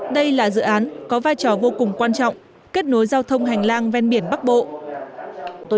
đây là dự án có vai trò vô cùng quan trọng kết nối giao thông hành lang ven biển bắc bộ